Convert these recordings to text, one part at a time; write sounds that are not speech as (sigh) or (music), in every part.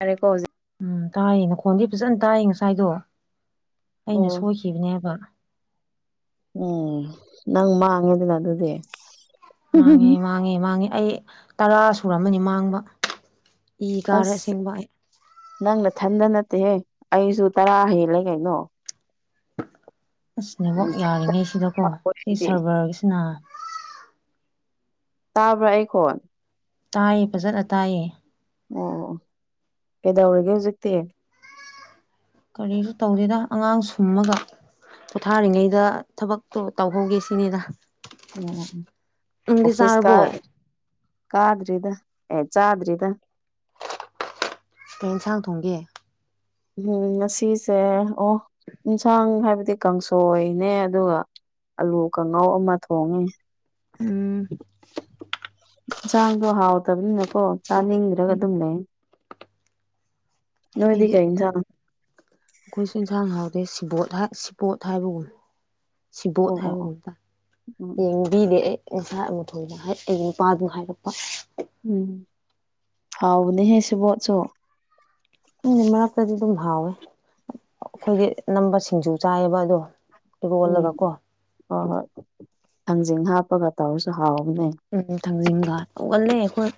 ꯇꯥꯔꯦꯀꯣ ꯍꯧꯖꯤꯛ ꯎꯝ ꯇꯥꯏꯌꯦ ꯃꯈꯣꯟꯗꯤ ꯐꯖꯅ ꯇꯥꯏ ꯉꯁꯥꯏꯗꯣ ꯑꯩꯅ ꯑꯣ ꯁꯣꯏꯈꯤꯕꯅꯦꯕ꯫ ꯎꯝ ꯅꯪ ꯃꯥꯡꯉꯦꯗꯅ ꯑꯗꯨꯗꯤ ꯃꯥꯡꯉꯦ ꯎꯝ ꯃꯥꯡꯉꯦ ꯃꯥꯡꯉꯦ ꯑꯩ ꯇꯔꯥ ꯁꯨꯔꯝꯃꯅꯤ ꯃꯥꯡꯕ ꯏ ꯀꯥꯔꯦ ꯑꯁ ꯑꯁꯦꯡꯕ ꯑꯩ ꯅꯪ ꯅꯊꯟꯗ ꯅꯠꯇꯦꯍꯦ ꯑꯩꯖꯨ ꯇꯔꯥ ꯍꯦꯜꯂꯦ ꯀꯩꯅꯣ ꯑꯁ ꯅꯦꯋꯥꯛ ꯔꯤꯖꯦꯛ ꯌꯥꯔꯤꯉꯩꯁꯤꯗꯀꯣ ꯁꯤ ꯑꯩꯗꯤ ꯁꯔꯕꯔꯒꯤꯁꯤꯅ ꯇꯥꯕ꯭ꯔꯥ ꯑꯩ ꯈꯣꯟ ꯇꯥꯏꯌꯦ ꯐꯖꯅ ꯇꯥꯏꯌꯦ ꯑꯣ ꯑꯣ ꯑꯣ ꯀꯩꯗꯧꯔꯤꯒꯦ ꯍꯧꯖꯤꯛꯇꯤ ꯀꯔꯤꯁꯨ ꯇꯧꯗꯦꯗ ꯑꯉꯥꯡ ꯁꯨꯝꯃꯒ ꯄꯣꯊꯥꯔꯤꯉꯩꯗ ꯊꯕꯛꯇꯣ ꯇꯧꯍꯧꯒꯦ ꯁꯤꯅꯤꯗ꯫ ꯎꯝ ꯅꯪꯗꯤ ꯑꯣꯐꯤꯁ ꯀꯥ ꯆꯥꯔꯕꯣ ꯀꯥꯗ꯭ꯔꯤꯗ ꯑꯦ ꯆꯥꯗ꯭ꯔꯤꯗ꯫ ꯀꯩ ꯌꯦꯟꯁꯥꯡ ꯊꯣꯡꯒꯦ? ꯎꯝ ꯉꯁꯤꯁꯦ ꯑꯣ ꯌꯦꯟꯁꯥꯡ ꯍꯥꯏꯕꯗꯤ ꯀꯥꯡꯁꯣꯏꯅꯦ ꯑꯗꯨꯒ ꯑꯥꯂꯨ ꯀꯥꯡꯉꯧ ꯑꯃ ꯊꯣꯡꯉꯦ꯫ ꯎꯝ ꯏꯟꯖꯥꯡꯗꯣ ꯍꯥꯎꯇꯕꯅꯤꯅꯀꯣ ꯆꯥꯅꯤꯡꯗ꯭ꯔꯒ ꯑꯗꯨꯝ ꯂꯩ꯫ ꯅꯣꯏꯗꯤ ꯑꯩꯗꯤ ꯀꯩ ꯏꯟꯁꯥꯡ? ꯑꯩꯈꯣꯏꯁꯨ ꯏꯟꯁꯥꯡ ꯍꯥꯎꯗꯦ ꯁꯤꯕꯣꯠ ꯍ ꯁꯤꯕꯣꯠ ꯍꯥꯏꯕꯒꯨꯝ ꯁꯤꯕꯣꯠ ꯑꯣ ꯑꯣ ꯑꯣ ꯍꯥꯏꯕꯒꯨꯝ ꯇꯥꯏ꯫ ꯎꯝ ꯌꯦꯡꯕꯤꯗꯦ ꯑꯩ ꯉꯁꯥꯏ ꯑꯃꯊꯣꯏꯅ ꯍꯥꯏ ꯑꯩꯒꯤ ꯅꯨꯄꯥꯗꯨꯅ ꯍꯥꯏꯔꯛꯄ꯫ ꯎꯝ ꯍꯥꯎꯕꯅꯦꯍꯦ ꯁꯤꯕꯣꯠꯁꯨ꯫ (unintelligible) ꯃꯔꯛꯇꯗꯤ ꯑꯗꯨꯝ ꯍꯥꯎꯋꯦ ꯑꯩꯈꯣꯏꯒꯤ ꯑꯅꯝꯕ ꯁꯤꯡꯖꯨ ꯆꯥꯏꯌꯦꯕ ꯑꯗꯣ꯫ ꯎꯝ ꯏꯔꯣꯜꯂꯒ ꯀꯣ ꯍꯣꯏ - ꯍꯣꯏ ꯊꯥꯡꯖꯤꯡ ꯍꯥꯞꯄꯒ ꯇꯧꯔꯁꯨ ꯍꯥꯎꯕꯅꯦ꯫ ꯎꯝ ꯊꯥꯡꯖꯤꯡꯒ ꯍꯧꯒꯜꯂꯦ ꯑꯩꯈꯣꯏ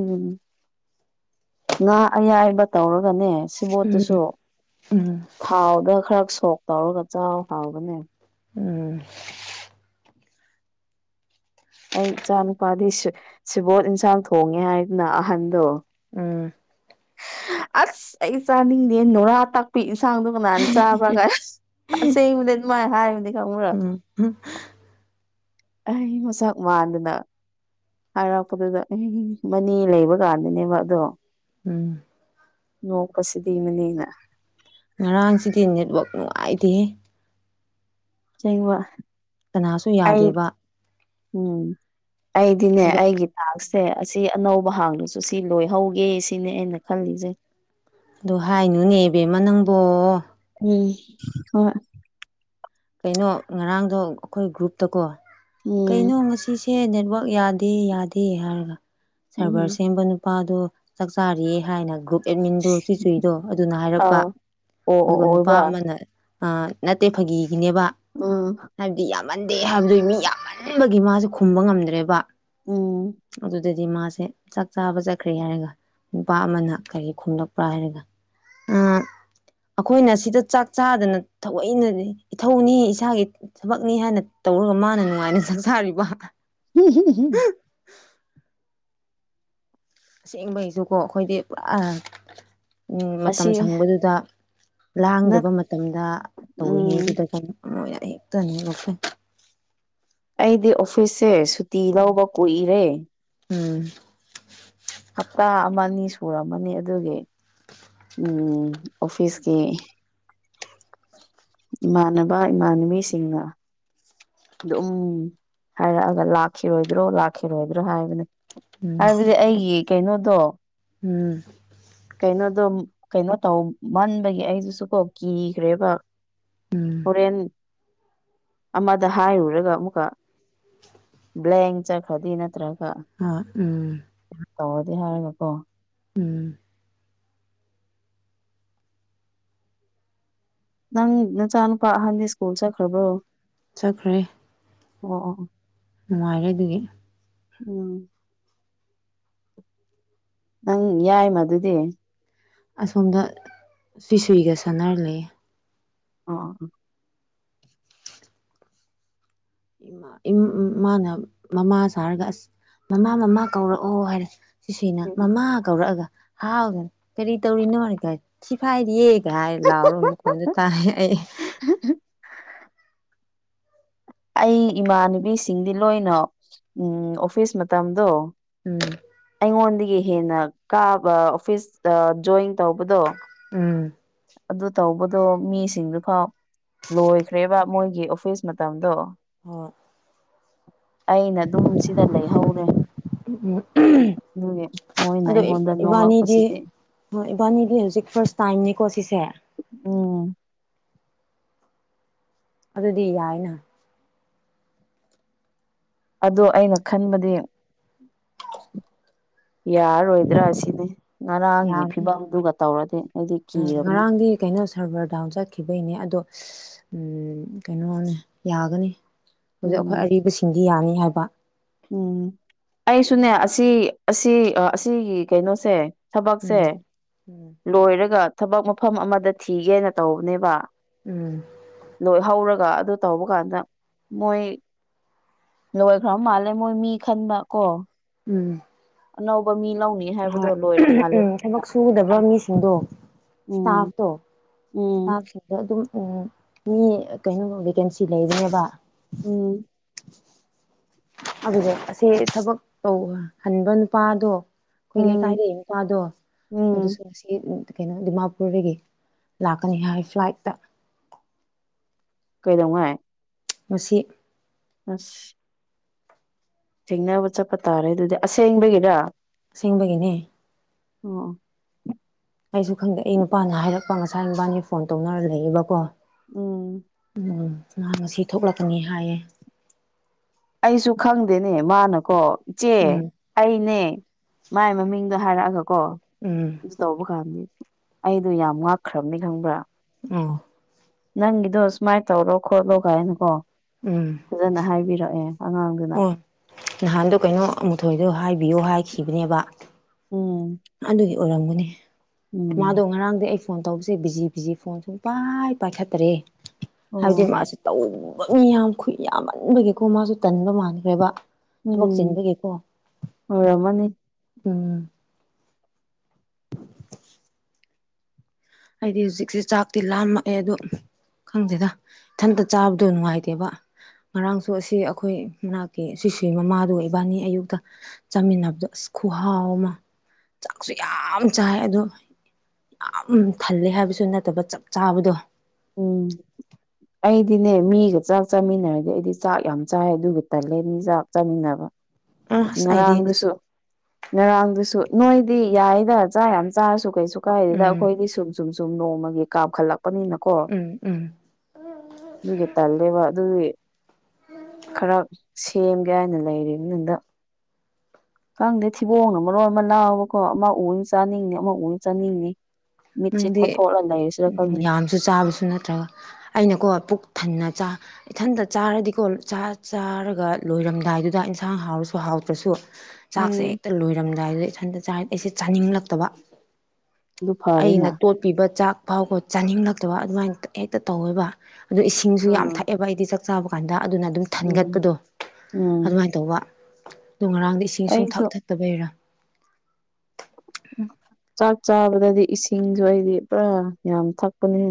ꯎꯝ ꯉꯥ ꯑꯌꯥꯏꯕ ꯇꯧꯔꯒꯅꯦ ꯎꯝ ꯁꯤꯕꯣꯠꯇꯨꯁꯨ ꯎꯝ ꯊꯥꯎꯗ ꯈꯔ ꯁꯣꯛ ꯇꯧꯔꯒ ꯆꯥꯎ ꯍꯥꯎꯕꯅꯦ꯫ ꯎꯝ ꯑꯩ ꯏꯆꯥ ꯅꯨꯄꯥꯗꯤ ꯁꯤꯕꯣꯠ ꯏꯟꯁꯥꯡ ꯊꯣꯡꯉꯦ ꯍꯥꯏꯗꯅ ꯑꯍꯟꯗꯣ ꯎꯝ ꯑꯁ! ꯑꯩ ꯆꯥꯅꯤꯡꯗꯦ ꯅꯨꯔꯥ ꯇꯛꯄꯤ ꯏꯟꯁꯥꯡꯗꯣ ꯀꯥꯅꯥ ꯆꯥꯕ꯭ꯔꯥꯒ ꯑꯁꯦꯡꯕꯅꯦ ꯑꯗꯨꯃꯥꯏꯅ ꯍꯥꯏꯕꯅꯤ ꯈꯪꯕꯔ꯫ ꯎꯝ ꯎꯝ ꯑꯩ ꯃꯁꯛ ꯃꯥꯟꯗꯅ ꯍꯥꯏꯔꯛꯄꯗꯨꯗ (unintelligible) ꯃꯅꯦ ꯂꯩꯕ ꯀꯥꯟꯗꯅꯦꯕ ꯑꯗꯣ꯫ ꯎꯝ ꯅꯣꯛꯄꯁꯤꯗꯤ ꯃꯅꯦꯅ ꯉꯔꯥꯡꯁꯤꯗꯤ ꯅꯦꯠꯋꯥꯛ ꯅꯨꯡꯉꯥꯏꯇꯦꯍꯦ꯫ ꯁꯦꯡꯕꯥ ꯀꯅꯥꯁꯨ ꯌꯥꯗꯦꯕ ꯎꯝ ꯑꯩꯗꯤꯅꯦ ꯑꯗ ꯑꯩꯒꯤ ꯇꯥꯛꯁꯁꯦ ꯑꯁꯤ ꯑꯅꯧꯕ ꯍꯥꯡꯂꯁꯨ ꯁꯤ ꯂꯣꯏꯍꯧꯒꯦ ꯁꯤꯅꯦ ꯑꯩꯅ ꯈꯜꯂꯤꯁꯦ꯫ ꯑꯗꯨ ꯍꯥꯏꯅꯨꯅꯦ ꯕꯦꯝꯃ ꯅꯪꯕꯣ ꯎꯝ ꯍ ꯀꯩꯅꯣ ꯉꯔꯥꯡꯗꯣ ꯑꯩꯈꯣꯏ ꯒ꯭ꯔꯨꯞꯇꯀꯣ ꯎꯝ ꯀꯩꯅꯣ ꯉꯁꯤꯁꯦ ꯅꯦꯠꯋꯥꯛ ꯌꯥꯗꯦ ꯌꯥꯗꯦ ꯍꯥꯏꯔꯒ ꯁꯚꯔ ꯎꯝ ꯁꯦꯝꯕ ꯅꯨꯄꯥꯗꯣ ꯆꯥꯛꯆꯥꯥꯔꯤ ꯍꯥꯏꯅ ꯒ꯭ꯔꯨꯞ ꯑꯦꯗꯃꯤꯟꯗꯣ ꯆꯨ ꯆꯨꯏꯗꯣ ꯑꯗꯨꯅ ꯍꯥꯏꯔꯛꯄ ꯑꯥꯎ ꯑꯣ ꯑꯣ ꯑꯗꯨꯒ ꯅꯨꯄꯥ ꯑꯣꯏꯕ꯭ꯔꯥ ꯑꯃꯅ ꯅꯠꯇꯦ ꯐꯥꯒꯤꯒꯤꯅꯦꯕ ꯑꯝ ꯍꯥꯏꯕꯗꯤ ꯌꯥꯝꯃꯟꯗꯦ ꯍꯥꯏꯕꯗꯨ ꯃꯤ ꯌꯥꯝꯃꯟꯕꯒꯤ ꯃꯥꯁꯦ ꯈꯨꯝꯕ ꯉꯝꯗ꯭ꯔꯦꯕ ꯎꯝ ꯑꯗꯨꯗꯗꯤ ꯃꯥꯁꯦ ꯆꯥꯛ ꯆꯥꯕ ꯆꯠꯈ꯭ꯔꯦ ꯍꯥꯏꯔꯒ ꯅꯨꯄꯥ ꯑꯃꯅ ꯀꯔꯤꯒꯤ ꯈꯨꯝꯂꯛꯄ꯭ꯔꯥ ꯍꯥꯏꯔꯒ ꯑ ꯑꯩꯈꯣꯏꯅ ꯁꯤꯗ ꯆꯥꯛ ꯆꯥꯗꯅ ꯊꯑꯣꯏꯅ ꯏꯊꯧꯅꯤ ꯏꯁꯥꯒꯤ ꯊꯕꯛꯅꯤ ꯍꯥꯏꯅ ꯇꯧꯔꯒ ꯃꯥꯅ ꯅꯨꯡꯉꯥꯏꯅ ꯆꯥꯛꯆꯥꯔꯤꯕ꯫ (unintelligible) ꯑꯁꯦꯡꯕꯩꯁꯨꯀꯣ ꯑꯩꯈꯣꯏꯗꯤ ꯄꯨꯔꯥ ꯎꯝ ꯃꯇꯝ ꯑꯁꯤ ꯁꯪꯕꯗꯨꯗ ꯅꯠ ꯂꯥꯡꯗꯕ ꯃꯇꯝꯗ ꯎꯝ ꯇꯧꯔꯤꯉꯩꯗꯨꯗ ꯀꯣ (unintelligible) ꯑꯩꯗꯤ ꯑꯣꯐꯤꯁꯁꯦ ꯁꯨꯇꯤ ꯂꯧꯕ ꯀꯨꯏꯔꯦ ꯎꯝ ꯍꯞꯇꯥ ꯑꯃ ꯑꯅꯤ ꯁꯨꯔꯝꯃꯅꯤ ꯑꯗꯨꯒꯤ ꯎꯝ ꯑꯣꯐꯤꯁꯀꯤ ꯏꯃꯥꯟꯅꯕ ꯏꯃꯥꯟꯅꯕꯤꯁꯤꯡꯅ ꯑꯗꯨꯝ ꯍꯥꯏꯔꯛꯑꯒ ꯂꯥꯛꯈꯤꯔꯣꯏꯗ꯭ꯔꯣ ꯂꯥꯛꯈꯤꯔꯣꯏꯗ꯭ꯔꯣ ꯍꯥꯏꯕꯅꯤ ꯎꯝ ꯍꯥꯏꯕꯗꯤ ꯑꯩꯒꯤ ꯀꯩꯅꯣꯗꯣ ꯎꯝ ꯀꯩꯅꯣꯗꯣ ꯀꯩꯅꯣ ꯇꯧꯃꯟꯕꯒꯤ ꯑꯩꯗꯨꯁꯨ ꯀꯣ ꯀꯤꯈ꯭ꯔꯦꯕ ꯎꯝ ꯍꯣꯔꯦꯟ ꯑꯃꯗ ꯍꯥꯏꯔꯨꯔꯒ ꯑꯃꯨꯛꯀ ꯕ꯭ꯂꯦꯡ ꯆꯠꯈ꯭ꯔꯗꯤ ꯅꯠꯇ꯭ꯔꯒ ꯑ ꯎꯝ ꯇꯧꯔꯗꯤ ꯍꯥꯏꯔꯒꯀꯣ ꯎꯝ ꯅꯪ ꯅꯆꯥꯅꯨꯄꯥ ꯑꯍꯟꯗꯤ ꯁ꯭ꯀꯨꯜ ꯆꯠꯈ꯭ꯔꯕ꯭ꯔꯣ ꯆꯠꯈ꯭ꯔꯦ ꯑꯣ ꯅꯨꯡꯉꯥꯏꯔꯦ ꯑꯗꯨꯒꯤ ꯎꯝ ꯅꯪ ꯌꯥꯏꯃꯗꯨꯗꯤ ꯑꯁꯣꯝꯗ ꯐꯤꯁꯏꯒ ꯁꯥꯟꯅꯔꯂꯩ ꯑꯣ ꯃꯥꯅ ꯃꯃꯥ ꯁꯥꯔꯒ ꯑꯁ ꯃꯃꯥ ꯃꯃꯥ ꯀꯧꯔꯛꯑꯣ ꯍꯥꯏꯔꯦ ꯆꯨꯁꯤꯅ ꯃꯃꯥ ꯀꯧꯔꯛꯑꯒ ꯍꯥꯎꯗꯅ ꯀꯔꯤ ꯇꯧꯔꯤꯅꯣ ꯍꯥꯏ ꯀ ꯁꯤꯐꯥꯏꯗꯤ ꯍꯥꯏ ꯂꯥꯎꯔ ꯈꯣꯟꯁꯨ ꯇꯥꯏ ꯑꯩ ꯍ ꯍ ꯑꯩ ꯏꯃꯥꯟꯅꯨꯕꯤꯁꯤꯡꯗꯤ ꯂꯣꯏꯅ ꯎꯝ ꯑꯣꯐꯤꯁ ꯃꯇꯝꯗꯣ ꯎꯝ ꯑꯩꯉꯣꯟꯗꯒꯤ ꯍꯦꯟꯅ ꯀꯥꯕ ꯑꯣꯐꯤꯁ ꯖꯣꯏꯟ ꯇꯧꯕꯗꯣ ꯎꯝ ꯑꯗꯨ ꯇꯧꯕꯗꯣ ꯃꯤꯁꯤꯡꯗꯨ ꯐꯥꯎ ꯂꯣꯏꯈ꯭ꯔꯦꯕ ꯃꯣꯏꯒꯤ ꯑꯣꯐꯤꯁ ꯃꯇꯝꯗꯣ ꯍꯣꯏ ꯑꯩꯅ ꯑꯗꯨꯝ ꯁꯤꯗ ꯂꯩꯍꯧꯔꯦ ꯎꯝ ꯑꯗꯨꯒꯤ ꯃꯣꯏꯅ ꯑꯗꯣ ꯑꯩꯉꯣꯟꯗ ꯏꯕꯥꯅꯤꯗꯤ ꯅꯣꯡꯂꯛꯄꯁꯤꯗꯤ ꯍꯣꯏ ꯏꯕꯥꯅꯤꯒꯤ ꯍꯧꯖꯤꯛ ꯐꯥꯔꯁ ꯇꯥꯏꯝꯅꯤꯀꯣ ꯁꯤꯁꯦ ꯎꯝ ꯑꯗꯨꯗꯤ ꯌꯥꯏꯅ ꯑꯗꯣ ꯑꯩꯅ ꯈꯟꯕꯗꯤ ꯌꯥꯔꯔꯣꯏꯗ꯭ꯔꯥ ꯁꯤꯅꯤ ꯉꯔꯥꯡꯒꯤ ꯌꯥꯕꯅꯤ ꯐꯤꯕꯝꯗꯨꯒ ꯇꯧꯔꯗꯤ ꯑꯩꯗꯤ ꯎꯝ ꯀꯤꯔꯕꯅꯤ ꯉꯔꯥꯡꯗꯤ ꯀꯩꯅꯣ ꯁꯔꯕꯔ ꯗꯥꯎꯟ ꯆꯠꯈꯤꯕꯩꯅꯦ ꯑꯗꯣ ꯀꯩꯅꯣꯅꯦ ꯌꯥꯒꯅꯤ ꯍꯧꯖꯤꯛ ꯑꯩꯈꯣꯏ ꯎꯝ ꯑꯔꯤꯕꯁꯤꯡꯗꯤ ꯌꯥꯅꯤ ꯍꯥꯏꯕ ꯎꯝ ꯑꯩꯁꯨꯅꯦ ꯑꯁꯤ ꯑꯁꯤ ꯑꯁꯤꯒꯤ ꯀꯩꯅꯣꯁꯦ ꯊꯕꯛꯁꯦ ꯎꯝ ꯎꯝ ꯂꯣꯏꯔꯒ ꯊꯕꯛ ꯃꯐꯝ ꯑꯃꯗ ꯊꯤꯒꯦꯅ ꯇꯧꯕꯅꯦꯕ ꯎꯝ ꯂꯣꯏ ꯍꯧꯔꯒ ꯑꯗꯨ ꯇꯧꯕ ꯀꯥꯟꯗ ꯃꯣꯏ ꯂꯣꯏꯈ꯭ꯔ ꯃꯥꯜꯂꯦ ꯑ ꯃꯣꯏ ꯃꯤ ꯈꯟꯕ ꯀꯣ ꯎꯝ ꯑꯅꯧꯕ ꯃꯤ ꯂꯧꯅꯤ ꯍꯣꯏ ꯍꯥꯏꯕꯗꯣ ꯂꯣꯏꯔ ꯃꯥꯜꯂꯦ ꯎꯝ ꯊꯕꯛ ꯁꯨꯒꯗꯕ ꯃꯤꯁꯤꯡꯗꯣ ꯎꯝ ꯁꯇꯥꯐꯇꯣ ꯎꯝ ꯁꯐ ꯑꯗꯣ ꯑꯗꯨꯝ ꯎꯝ ꯃꯤ ꯀꯩꯅꯣ ꯕꯦꯀꯦꯟꯁꯤ ꯂꯩꯕꯅꯦꯕ ꯎꯝ ꯑꯗꯨꯗꯣ ꯑꯁꯦ ꯊꯕꯛ ꯇꯧꯍꯟꯕ ꯅꯨꯄꯥꯗꯣ ꯑꯩꯈꯣꯏ ꯎꯝ ꯂꯩꯀꯥꯏꯗ ꯅꯨꯀꯥꯗꯣ ꯎꯝ ꯑꯗꯨꯁꯨ ꯉꯁꯤ ꯀꯩꯅꯣ ꯗꯤꯃꯥꯄꯨꯔꯗꯒꯤ ꯂꯥꯛꯀꯅꯤ ꯍꯥꯏ ꯐ꯭ꯂꯥꯏꯠꯇ ꯀꯩꯗꯧꯉꯥꯏ ꯃꯁꯤꯁꯤ ꯑꯁ ꯊꯦꯡꯅꯕ ꯆꯠꯄ ꯇꯥꯔꯦ ꯑꯗꯨꯗꯤ ꯑꯁꯦꯡꯕꯒꯤꯔ ꯁꯤꯁꯤꯡꯕꯒꯤꯅꯦ ꯑꯣ ꯑꯩꯁꯨ ꯈꯪꯗꯦ ꯑꯩ ꯅꯨꯄꯥꯅ ꯍꯥꯏꯔꯛꯄ ꯉꯁꯥꯏ ꯅꯨꯄꯥꯅꯤ ꯐꯣꯟ ꯇꯧꯅꯔ ꯂꯩꯕꯀꯣ ꯎꯝ ꯉꯍ ꯑꯁꯤ ꯊꯣꯛꯂꯛꯀꯅꯤ ꯍꯥꯏꯌꯦ ꯑꯩꯁꯨ ꯈꯪꯗꯦꯅꯦ ꯃꯥꯅꯀꯣ ꯏꯆꯦ ꯎꯝ ꯑꯩꯅꯦ ꯃꯥꯏ ꯃꯃꯤꯡꯗꯣ ꯍꯥꯏꯔꯛꯑꯒꯀꯣ ꯎꯝ ꯇꯧꯕ ꯀꯥꯟꯗꯤ ꯑꯩꯗꯣ ꯌꯥꯝ ꯉꯛꯈ꯭ꯔꯕꯅꯤ ꯈꯪꯕ꯭ꯔꯥ ꯑ ꯅꯪꯒꯤꯗꯣ ꯁꯨꯃꯥꯏꯅ ꯇꯧꯔꯣ ꯈꯣꯠꯂꯣ ꯀꯥꯏꯅꯀꯣ ꯎꯝ ꯐꯖꯅ ꯍꯥꯏꯕꯤꯔꯛꯑꯦ ꯑꯉꯥꯡꯗꯨ ꯑꯣ ꯅꯍꯥꯟꯗꯣ ꯀꯩꯅꯣ ꯑꯃꯨꯊꯣꯏꯗꯣ ꯍꯥꯏꯕꯤꯌꯨ ꯍꯥꯏꯈꯤꯕꯅꯦꯕ ꯎꯝ ꯑꯗꯨꯒꯤ ꯑꯣꯏꯔꯝꯒꯅꯦ ꯃꯥꯗꯣ ꯎꯝ ꯉꯔꯥꯡꯗꯤ ꯑꯩ ꯐꯣꯟ ꯇꯧꯕꯁꯦ ꯕꯤꯖꯤ ꯕꯤꯖꯤ ꯐꯣꯟ ꯁꯨꯝ ꯄꯥꯏ ꯄꯥꯏꯈꯠꯇ꯭ꯔꯦ ꯍꯥꯏꯕꯗꯤ ꯑꯣ ꯃꯥꯁꯨ ꯇꯧꯕ ꯃꯤ ꯌꯥꯝ ꯈꯨ ꯌꯥꯝꯃꯟꯕꯒꯤꯀꯣ ꯃꯥꯁꯨ ꯇꯟꯕ ꯃꯥꯟꯈ꯭ꯔꯦꯕ ꯊꯕꯛ ꯎꯝ ꯆꯤꯟꯕꯒꯤꯀꯣ ꯑꯣꯏꯔꯝꯃꯅꯤ ꯎꯝ ꯍꯥꯏꯗꯤ ꯍꯧꯖꯤꯛꯁꯦ ꯆꯥꯛꯇꯤ ꯂꯥꯝꯃꯛꯑꯦ ꯑꯗꯣ ꯈꯪꯗꯦꯗ ꯏꯊꯟꯇ ꯆꯥꯕꯗꯣ ꯅꯨꯡꯉꯥꯏꯇꯦꯕ ꯉꯔꯥꯡꯁꯨ ꯑꯁꯤ ꯑꯩꯈꯣꯏ ꯃꯅꯥꯛꯀꯤ ꯁꯤꯁꯤ ꯃꯃꯥꯗꯨ ꯏꯕꯥꯅꯤ ꯑꯌꯨꯛꯇ ꯆꯥꯃꯤꯟꯅꯕꯗꯣ ꯑꯁ ꯈꯨꯍꯥꯎ ꯑꯃ ꯆꯥꯛꯁꯨ ꯌꯥꯝ ꯆꯥꯏ ꯑꯗꯣ ꯌꯥꯝ ꯊꯜꯂꯦ ꯍꯥꯏꯕꯁꯨ ꯅꯠꯇꯕ ꯆꯞ ꯆꯥꯕꯗꯣ ꯎꯝ (inaudible) ꯑꯩꯗꯤꯅꯦ ꯃꯤꯒ ꯆꯥꯛ ꯆꯥꯃꯤꯟꯅꯔꯗꯤ ꯑꯩꯗꯤ ꯆꯥꯛ ꯌꯥꯝ ꯆꯥꯏ ꯑꯗꯨꯒ ꯇꯜꯂꯦ ꯃꯤ ꯆꯥꯛ ꯆꯥꯃꯤꯟꯅꯕ ꯑꯁ ꯑꯩꯗꯤ ꯉꯔꯥꯡꯗꯨꯁꯨ ꯉꯔꯥꯡꯗꯨꯁꯨ ꯅꯣꯏꯗꯤ ꯌꯥꯏꯗ ꯆꯥꯛ ꯌꯥꯝ ꯆꯥꯔꯁꯨ ꯀꯩꯁꯨ ꯀꯥꯏꯗꯨꯗ ꯎꯝ ꯑꯩꯈꯣꯏꯗꯤ ꯁꯨꯝ ꯁꯨꯝ ꯁꯨꯝ ꯅꯣꯡꯃꯒꯤ ꯀꯥꯞꯈꯠꯂꯛꯄꯅꯤꯅꯀꯣ ꯎꯝ ꯎꯝ ꯑꯗꯨꯒꯤ ꯇꯜꯂꯦꯕ ꯑꯗꯨꯒꯤ ꯈꯔ ꯁꯦꯝꯒꯦ ꯍꯥꯏꯅ ꯂꯩꯔꯤ ꯅꯪꯗ ꯈꯪꯗꯦ ꯊꯤꯕꯣꯡꯅ ꯃꯔꯣꯟ ꯑꯃ ꯂꯥꯎꯕꯀꯣ ꯑꯃ ꯎꯅ ꯆꯥꯅꯤꯡꯉ ꯑꯃ ꯎꯅ ꯆꯥꯅꯤꯡꯅꯤ ꯃꯤꯠꯁꯦ ꯀꯣꯊꯣꯛꯂꯒ ꯂꯩꯔꯁꯤꯅ ꯈꯪꯗꯦ ꯁꯨ ꯆꯥꯕꯁꯨ ꯅꯠꯇ꯭ꯔꯒ ꯑꯩꯅꯀꯣ ꯄꯨꯛ ꯊꯟꯅꯥ ꯆꯥ ꯏꯊꯟꯇ ꯆꯥꯔꯗꯤꯀꯣ ꯆꯥꯔꯒ ꯂꯣꯏꯔꯝꯗꯥꯏꯗꯨꯗ ꯏꯟꯁꯥꯡ ꯍꯥꯎꯔꯁꯨ ꯍꯥꯎꯇ꯭ꯔꯁꯨ ꯆꯥꯛꯁꯦ ꯎꯝ ꯍꯦꯛꯇ ꯂꯣꯏꯔꯝꯗꯥꯏꯗꯨꯗ ꯏꯊꯟꯇ ꯆꯥ ꯑꯩꯁꯦ ꯆꯥꯅꯤꯡꯂꯛꯇꯕ꯫ ꯑꯗꯨ ꯐꯔꯦꯅ ꯑꯩꯅ ꯇꯣꯠꯄꯤꯕ ꯆꯥꯛ ꯐꯥꯎꯕꯣ ꯆꯥꯅꯤꯡꯂꯛꯇꯕ ꯑꯗꯨꯃꯥꯏꯅ ꯍꯦꯛꯇ ꯇꯧꯋꯦꯕ ꯑꯗꯨ ꯏꯁꯤꯡꯁꯨ ꯌꯥꯝ ꯎꯝ ꯊꯛꯑꯦꯕ ꯑꯩꯗꯤ ꯆꯥꯛ ꯆꯥꯕ ꯀꯥꯟꯗ ꯑꯗꯨꯅ ꯑꯗꯨꯝ ꯎꯝ ꯊꯟꯒꯠꯄꯗꯣ ꯎꯝ ꯑꯗꯨꯃꯥꯏꯅ ꯇꯧꯕ ꯑꯗꯣ ꯉꯔꯥꯡꯗ ꯏꯁꯤꯡ ꯁꯨꯝ ꯊꯛ ꯑꯩꯁꯨ ꯊꯛꯇ ꯕꯩꯔ꯫ ꯆꯥꯛ ꯆꯥꯕꯗꯗꯤ ꯏꯁꯤꯡꯁꯨ ꯑꯩꯗꯤ ꯄꯨꯔꯥ ꯌꯥꯝ ꯊꯛꯄꯅꯦ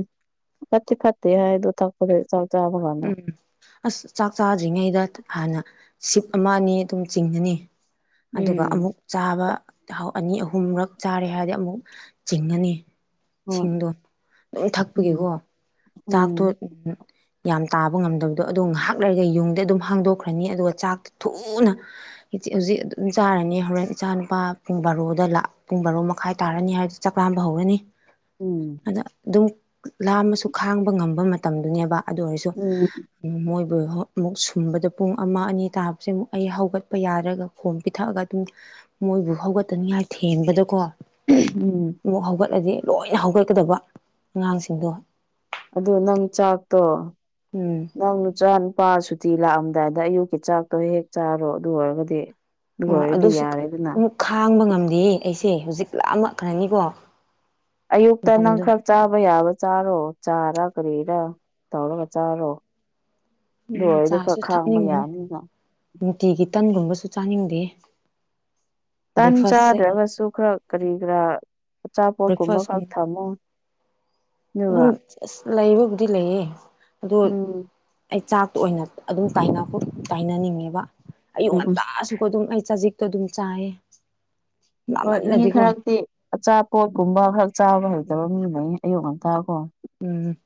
ꯐꯠꯇꯤ ꯐꯠꯇꯦ ꯍꯥꯏ ꯊꯦꯛꯄꯗꯣ ꯆꯕ ꯀꯟꯗ ꯎꯝ ꯑꯁ ꯆꯥꯛ ꯆꯥꯗ꯭ꯔꯤꯉꯩꯗ ꯍꯥꯟꯅ ꯁꯤꯞ ꯑꯃ ꯑꯅꯤ ꯑꯗꯨꯝ ꯆꯤꯡꯒꯅꯤ ꯑꯗꯨꯒ ꯎꯝ ꯑꯃꯨꯛ ꯆꯥꯕ ꯑꯅꯤ ꯑꯍꯨꯝꯔꯛ ꯆꯥꯔꯦ ꯍꯥꯏꯔꯗꯤ ꯑꯃꯨꯛ ꯆꯤꯡꯉꯅꯤ ꯍꯣꯏ ꯏꯁꯤꯡꯗꯣ ꯑꯗꯨꯝ ꯊꯛꯄꯒꯤꯀꯣ ꯎꯝ ꯆꯥꯛꯇꯣ ꯎꯝ ꯌꯥꯝ ꯇꯥꯕ ꯉꯝꯗꯕꯗꯣ ꯑꯗꯣ ꯉꯥꯏꯍꯥꯛ ꯂꯩꯔꯒ ꯌꯨꯡꯗ ꯑꯗꯨꯝ ꯍꯥꯡꯗꯣꯛꯈ꯭ꯔꯅꯤ ꯑꯗꯨꯒ ꯆꯥꯛꯇ ꯊꯨꯅ ꯍꯧꯖꯤꯛ ꯑꯗꯨꯝ ꯆꯥꯔꯅꯤ ꯍꯣꯔꯦꯟ ꯏꯆꯥ ꯅꯨꯨꯄꯥ ꯄꯨꯡ ꯕꯥꯔꯣꯗ ꯂꯛ ꯄꯨꯡ ꯕꯥꯔꯣ ꯃꯈꯥꯏ ꯇꯥꯔꯅꯤ ꯍꯥꯏ ꯆꯥꯛ ꯂꯥꯝꯕ ꯍꯧꯔꯅꯤ ꯎꯝ ꯑꯗ ꯑꯗꯨꯝ ꯂꯥꯝꯃꯁꯨ ꯈꯥꯡꯕ ꯉꯝꯕ ꯃꯇꯝꯗꯨꯅꯦꯕ ꯑꯗꯨ ꯑꯣꯏꯔꯁꯨ ꯎꯝ ꯃꯣꯏꯕꯨ ꯑꯃꯨꯛ ꯁꯨꯝꯕꯗ ꯄꯨꯡ ꯑꯃ ꯑꯅꯤ ꯇꯥꯕꯁꯦ ꯑꯃꯨꯛ ꯑꯩ ꯍꯧꯒꯠꯄ ꯌꯥꯔꯒ ꯈꯣꯝ ꯄꯤꯊꯛꯑꯒ ꯑꯗꯨꯝ ꯃꯣꯏꯕꯨ ꯍꯧꯒꯠꯇꯅꯤꯉꯥꯏ ꯊꯦꯝꯕꯗꯀꯣ ꯎꯝ ꯑꯃꯨꯛ ꯍꯧꯒꯠꯂꯗꯤ ꯂꯣꯏꯅ ꯍꯧꯒꯠꯀꯗꯕ ꯑꯉꯥꯡꯁꯤꯡꯗꯣ ꯑꯗꯨ ꯅꯪ ꯆꯥꯛꯇꯣ ꯎꯝ ꯅꯪ ꯅꯆꯥ ꯅꯨꯄꯥ ꯁꯨꯇꯤ ꯂꯥꯛꯑꯝꯗꯥꯏꯗ ꯑꯌꯨꯛꯀꯤ ꯆꯥꯛꯇꯣ ꯍꯦꯛ ꯆꯥꯔꯣ ꯑꯗꯨ ꯑꯣꯏꯔꯒꯗꯤ ꯑꯗꯨ ꯍꯣꯏ ꯑꯣꯏꯔꯗꯤ ꯑꯗꯨꯁꯨ ꯌꯥꯔꯦꯗꯅ ꯑꯃꯨꯛ ꯈꯥꯡꯕ ꯉꯝꯗꯦ ꯑꯩꯁꯦ ꯍꯧꯖꯤꯛ ꯂꯥꯃꯛ ꯈꯔꯅꯤꯀꯣ ꯑꯌꯨꯛꯇ ꯅꯪ ꯈꯔ ꯆꯥꯕ ꯌꯥꯕ ꯆꯥꯔꯣ ꯆꯥꯔ ꯀꯔꯤꯔꯥ ꯇꯧꯔꯒ ꯆꯥꯔꯣ ꯑꯗꯨꯅꯦ ꯂꯣꯏꯔꯗꯤ ꯈꯔ ꯆꯥꯁꯨ ꯈꯥꯡꯕ ꯊꯛꯅꯤꯡꯗꯦ ꯌꯥꯅꯤꯅ ꯅꯨꯡꯇꯤꯒꯤ ꯇꯟꯒꯨꯝꯕꯁꯨ ꯆꯥꯅꯤꯡꯗꯦ ꯇꯟ ꯕ꯭ꯔꯦꯛꯐꯥꯁꯁꯦ ꯆꯥꯗ꯭ꯔꯒꯁꯨ ꯈꯔ ꯀꯔꯤ ꯀꯔꯥ ꯑꯆꯥꯄꯣꯠ ꯀꯨꯝꯕ ꯈꯛ ꯕ꯭ꯔꯦꯛꯐꯥꯁꯀꯨꯝꯕ ꯊꯝꯃꯨ ꯎꯝ ꯑꯁ ꯂꯩꯕꯕꯨꯗꯤ ꯂꯩꯌꯦ ꯑꯗꯨ ꯎꯝ ꯑꯩ ꯆꯥꯛꯇ ꯑꯣꯏꯅ ꯑꯗꯨꯝ ꯇꯥꯏꯅꯅꯤꯡꯉꯦꯕ ꯑꯌꯨꯛ ꯎꯝ ꯎꯝ ꯉꯟꯇꯥꯁꯨ ꯑꯗꯨꯝ ꯑꯩ ꯆꯖꯤꯛ ꯇ ꯑꯗꯨꯝ ꯆꯥꯏꯑꯦ꯫ ꯍꯣꯏ ꯃꯤ ꯈꯔꯛꯇꯤ ꯑꯆꯥꯄꯣꯠꯀꯨꯝꯕ ꯈꯔ ꯆꯥꯕ ꯎꯝ ꯍꯩꯇꯕ ꯃꯤ ꯂꯩ ꯑꯌꯨꯛ ꯉꯟꯇꯥ ꯀꯣ ꯎꯝ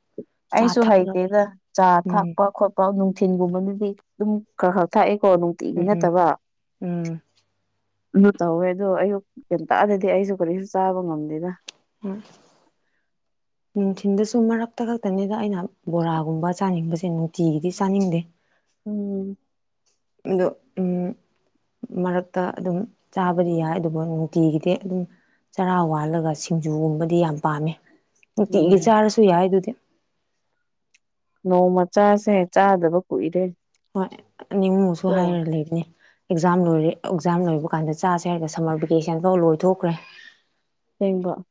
ꯆꯥ ꯑꯩꯁꯨ ꯊꯛꯑꯒ ꯍꯩꯇꯦꯗ ꯆꯥ ꯎꯝ ꯊꯛꯄ ꯈꯣꯠꯄ꯫ ꯅꯨꯡꯊꯤꯟꯒꯨꯝꯕꯅꯗꯤ ꯑꯗꯨꯝ ꯈꯔ ꯈꯔ ꯊꯥꯛꯑꯦꯀꯣ ꯇꯤꯒꯤ ꯎꯝ ꯅꯠꯇꯕ ꯎꯝ ꯑꯗꯨ ꯇꯧꯋꯦ ꯑꯗꯣ ꯑꯌꯨꯛ ꯀꯩꯝ ꯇꯥꯛꯑꯗꯗꯤ ꯑꯩꯁꯨ ꯀꯔꯤꯁꯨ ꯆꯥꯕ ꯉꯝꯗꯦꯗ (unintelligible) ꯅꯨꯡꯊꯤꯟꯗꯁꯨ ꯃꯔꯛꯇ ꯈꯛꯇꯅꯤꯗ ꯑꯩꯅ ꯕꯣꯔꯥꯒꯨꯝꯕ ꯆꯥꯅꯤꯡꯕꯁꯦ ꯅꯨꯡꯇꯤꯒꯤꯗꯤ ꯆꯥꯅꯤꯡꯗꯦ ꯎꯝ ꯑꯗꯣ ꯎ ꯃꯔꯛꯇ ꯑꯗꯨꯝ ꯆꯥꯕꯗꯤ ꯌꯥꯏ ꯑꯗꯨꯕꯨ ꯅꯨꯡꯇꯤꯒꯤꯗꯤ ꯑꯗꯨꯝ ꯆꯔꯥ ꯋꯥꯜꯂꯒ ꯁꯤꯡꯖꯨꯒꯨꯝꯕꯗꯤ ꯌꯥꯝ ꯄꯥꯝꯃꯦ ꯅꯨꯡꯇꯤꯒꯤ ꯎꯝ ꯆꯥꯔꯁꯨ ꯌꯥꯏ ꯑꯗꯨꯗꯤ ꯅꯣꯡꯃ ꯆꯥꯁꯦ ꯆꯥꯗꯕ ꯀꯨꯏꯔꯦ ꯍꯣꯏ ꯅꯤꯡꯃꯨꯁꯨ ꯀꯣ ꯍꯥꯏꯔ ꯂꯩꯕꯅꯦ ꯑꯦꯛꯖꯥꯝ ꯂꯣꯏꯔꯦ ꯑꯦꯛꯖꯥꯝ ꯂꯣꯏꯕ ꯀꯥꯟꯗ ꯆꯥꯁꯦꯔꯒ ꯁꯝꯃꯔ ꯕꯦꯀꯦꯁꯟ ꯐꯥꯎ ꯂꯣꯏꯊꯣꯛꯈ꯭ꯔꯦ ꯊꯦꯡꯕ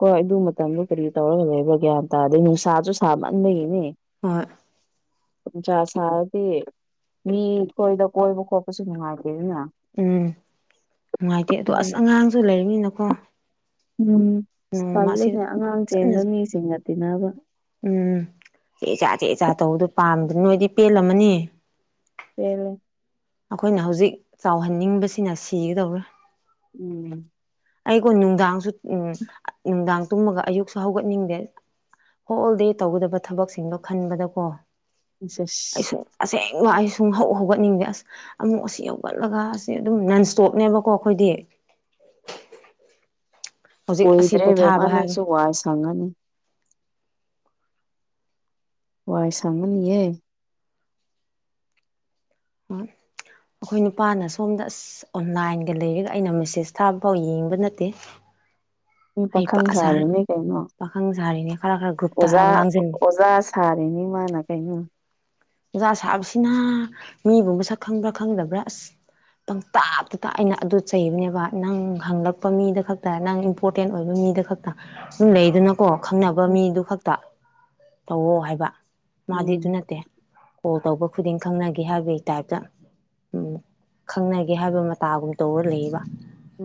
ꯍꯣꯏ ꯑꯗꯨ ꯃꯇꯝꯗꯨ ꯀꯔꯤ ꯇꯧꯔꯒ ꯂꯩꯕ꯭ꯔꯥ ꯒ꯭ꯌꯥꯟ ꯇꯥꯗꯦ ꯅꯨꯡꯁꯥꯁꯨ ꯁꯥꯃꯟꯕꯒꯤꯅꯤ ꯍꯣꯏ ꯅꯨꯡꯁꯥ ꯁꯥꯔꯗꯤ ꯃꯤꯈꯣꯏꯗ ꯀꯣꯏꯕ ꯈꯣꯠꯄꯁꯨ ꯅꯨꯡꯉꯥꯏꯇꯦ ꯑꯗꯨꯅ ꯎꯝ ꯅꯨꯡꯉꯥꯏꯇꯦ ꯑꯗꯣ ꯑꯁ ꯑꯉꯥꯡꯁꯨ ꯂꯩꯅꯤꯅꯀꯣ ꯎꯝ ꯇꯜꯂꯅꯦ ꯑꯉꯥꯡ ꯆꯠꯅ ꯆꯦꯟꯕ ꯃꯤꯁꯤꯡꯒ ꯇꯤꯟꯅꯕ ꯎꯝ ꯆꯦ ꯆꯥꯛ ꯆꯦ ꯆꯥ ꯇꯧꯕꯗꯣ ꯄꯥꯝꯕꯗꯅ ꯅꯣꯏꯗꯤ ꯄꯦꯜꯂꯝꯃꯅꯤ (unintelligible) ꯑꯩꯈꯣꯏꯅ ꯍꯧꯖꯤꯛ ꯆꯥꯎꯍꯟꯅꯤꯡꯕꯁꯤꯅ ꯁꯤꯒꯗꯧꯔꯦ ꯎꯝ ꯑꯩꯀꯣ ꯅꯨꯡꯗꯥꯡꯁꯨ ꯎꯝ ꯅꯨꯡꯗꯥꯡ ꯇꯨꯝꯃꯒ ꯑꯌꯨꯛꯁꯨ ꯍꯧꯒꯠꯅꯤꯡꯗꯦ ꯍꯣꯜ ꯗꯦ ꯇꯧꯒꯗꯕ ꯊꯕꯛꯁꯤꯡꯗꯣ ꯈꯟꯕꯗꯀꯣ ꯑꯩꯁꯨ ꯑꯁꯦꯡꯕ ꯑꯩ ꯁꯨꯡ ꯍꯧ ꯍꯧꯒꯠꯅꯤꯡꯗꯦ ꯑꯁ ꯑꯃꯨꯛ ꯑꯁꯤ ꯍꯧꯒꯠꯂꯒ ꯑꯁꯤ ꯑꯗꯨꯝ ꯅꯟꯁ꯭ꯇꯣꯞꯅꯦꯕꯀꯣ ꯑꯩꯈꯣꯏꯗꯤ ꯍꯧꯖꯤꯛ ꯑꯁꯤ ꯀꯨꯏꯗ꯭ꯔꯦ ꯕꯦꯃꯥ ꯄꯣꯊꯥꯕ ꯍꯥꯏꯕ ꯅꯪꯁꯨ ꯋꯥꯏ ꯁꯪꯉꯅꯤ ꯋꯥꯏ ꯁꯪꯕꯅꯤꯌꯦ ꯎꯝ ꯑꯩꯈꯣꯏ ꯅꯨꯄꯥꯅ ꯁꯣꯝꯗ ꯑꯁ ꯑꯣꯟꯂꯥꯏꯟꯒ ꯂꯩꯔꯒ ꯑꯩꯅ ꯃꯦꯁꯦꯖ ꯊꯥꯕ ꯐꯥꯎ ꯌꯦꯡꯕ ꯅꯠꯇꯦ ꯃꯤ ꯍꯩꯄꯥ ꯄꯥꯈꯪ ꯁꯥ ꯁꯥꯔꯤꯅꯦ ꯀꯩꯅꯣ ꯄꯥꯈꯪ ꯁꯥꯔꯤꯅꯦ ꯈꯔ ꯈꯔ ꯒ꯭ꯔꯨꯞꯇ ꯑꯣꯖꯥ ꯉꯥꯡꯁꯤꯜꯂꯤ ꯑꯣꯖꯥ ꯁꯥꯔꯤꯅꯤ ꯃꯥꯅ ꯀꯩꯅꯣ ꯑꯣꯖꯥ ꯁꯥꯕꯁꯤꯅ ꯃꯤꯕꯨ ꯃꯁꯛ ꯈꯪꯕ꯭ꯔꯥ ꯈꯪꯗꯕ꯭ꯔꯥ ꯑꯁ ꯄꯪꯇꯥꯛꯇ ꯇꯥ ꯑꯩꯅ ꯑꯗꯨ ꯆꯩꯕꯅꯦꯕ ꯅꯪ ꯍꯪꯂꯛꯄ ꯃꯤꯗ ꯈꯛꯇ ꯅꯪ ꯏꯝꯄꯣꯔꯇꯦꯟ ꯑꯣꯏꯕ ꯃꯤꯗ ꯈꯛꯇ ꯁꯝ ꯂꯩꯗꯅ ꯀꯣ ꯈꯪꯅꯕ ꯃꯤꯗꯨ ꯈꯛꯇ ꯇꯧꯋꯣ ꯍꯥꯏꯕ ꯃꯥꯗꯤ ꯑꯗꯨ ꯎꯝ ꯅꯠꯇꯦ ꯀꯣꯜ ꯇꯧꯕ ꯈꯨꯗꯤꯡ ꯈꯪꯅꯒꯦ ꯍꯥꯏꯕꯒꯤ ꯇꯥꯏꯞꯇ ꯈꯪꯅꯒꯦ ꯍꯥꯏꯕ ꯃꯇꯥꯒꯨꯝ ꯇꯧꯔ ꯂꯩꯕ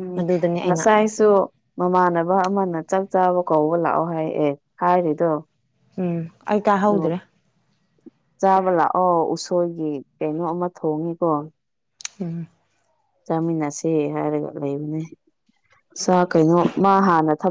ꯎꯝ ꯅꯁꯥꯏ ꯁꯨ ꯃꯃꯥꯟꯅꯕ ꯑꯃꯅ ꯆꯛ ꯆꯥꯕ ꯀꯧꯕ ꯂꯥꯛꯑꯣ ꯍꯥꯏ ꯑꯦ ꯍꯥꯏꯔꯤꯗꯣ ꯎꯝ ꯑꯩ ꯑꯣ ꯇꯥꯍꯧꯗ꯭ꯔꯦ ꯆꯥꯕ ꯂꯥꯛꯑꯣ ꯎꯁꯣꯏꯒꯤ ꯀꯩꯅꯣ ꯑꯃ ꯊꯣꯡꯉꯦꯀꯣ ꯎꯝ ꯆꯥꯃꯤꯟꯅꯁꯦ ꯍꯥꯏꯔꯒ ꯂꯩꯕꯅꯦ ꯆꯥ ꯀꯩꯅꯣ ꯃꯥ ꯍꯥꯟꯅ ꯊꯛ